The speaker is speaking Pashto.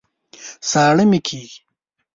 ساړه مي کېږي